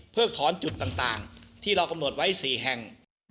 ถอนจุดต่างที่เรากำหนดไว้๔แห่ง